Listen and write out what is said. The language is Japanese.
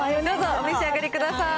お召し上がりください。